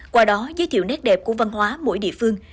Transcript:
qua đó giới thiệu nét đẹp của văn hóa mỗi địa phương